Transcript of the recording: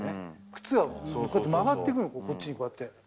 靴がこうやって曲がっていくの、こっちにこうやって。